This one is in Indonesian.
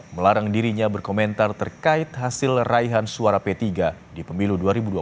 melarang dirinya berkomentar terkait hasil raihan suara p tiga di pemilu dua ribu dua puluh